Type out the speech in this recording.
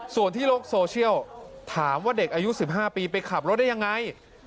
ส่วนที่โลกโซเชียลถามว่าเด็กอายุ๑๕ปีไปขับรถได้ยังไง